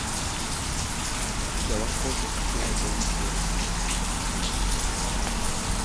Yawa kkooti empapula ze wiiki ewedde.